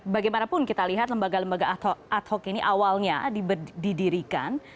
bagaimanapun kita lihat lembaga lembaga ad hoc ini awalnya didirikan